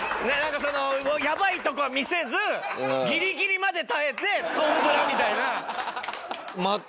やばいとこは見せずギリギリまで耐えてトンズラみたいな。